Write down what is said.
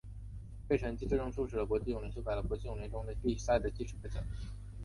这一成绩最终促使国际泳联修改了国际游泳比赛中的计时规则。